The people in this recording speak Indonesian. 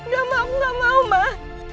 gak mah aku gak mau mah